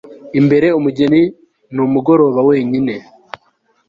imbere, umugeni nimugoroba wenyine